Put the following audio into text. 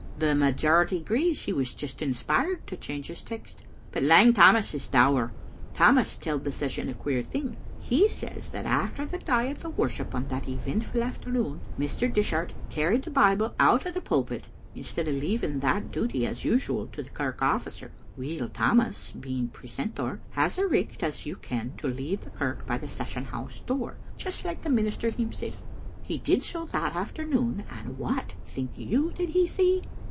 The majority agrees that he was just inspired to change his text. But Lang Tammas is dour. Tammas telled the session a queer thing. He says that after the diet o' worship on that eventful after noon Mr. Dishart carried the Bible out o' the pulpit instead o' leaving that duty as usual to the kirk officer. Weel, Tammas, being precentor, has a richt, as you ken, to leave the kirk by the session house door, just like the minister himsel'. He did so that afternoon, and what, think you, did he see?